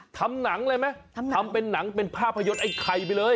ทำหนังเลยไหมทำเป็นหนังเป็นภาพยนตร์ไอ้ไข่ไปเลย